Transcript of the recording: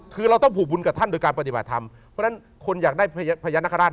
คือเราต้องผูกบุญกับท่านโดยการปฏิบัติธรรมเพราะฉะนั้นคนอยากได้พญานาคาราช